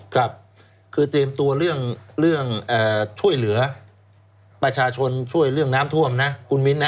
ครับคือเตรียมตัวเรื่องช่วยเหลือประชาชนช่วยเรื่องน้ำท่วมนะคุณมิ้นนะ